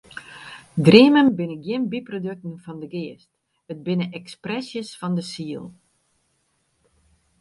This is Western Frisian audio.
Dreamen binne gjin byprodukten fan de geast, it binne ekspresjes fan de siel.